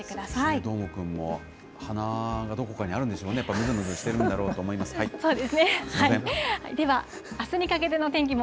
どーもくんも鼻がどこかにあるんでしょうね、やっぱりむずむずしてるんだろうと思います。